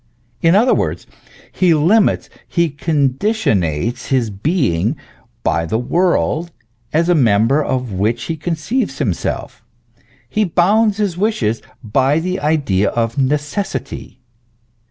In other words, he limits, he conditionates his being by the world, as a member of which he conceives him self; he bounds his wishes by the idea of necessity.